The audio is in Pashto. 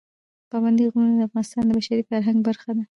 پابندی غرونه د افغانستان د بشري فرهنګ برخه ده.